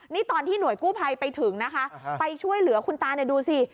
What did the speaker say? นี่ตอนที่หน่วยกู้ไผลไปถึงไปช่วยเหลือคุณตารูดูสิ